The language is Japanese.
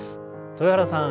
豊原さん